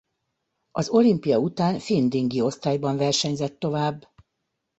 Az olimpia után finn dingi osztályban versenyzett tovább.